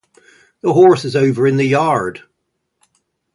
The horse is over in the yard.